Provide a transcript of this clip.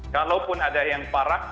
kalaupun ada yang parah